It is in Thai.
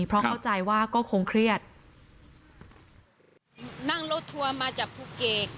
เพราะเข้าใจว่าก็คงเครียดนั่งรถทัวร์มาจากภูเก็ต